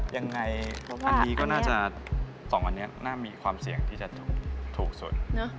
ยังไงอันนี้ก็น่าจะ๒อันนี้น่ามีความเสี่ยงที่จะถูกสุด